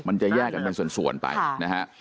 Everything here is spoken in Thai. มันจะแยกกันเป็นส่วนไปนะฮะ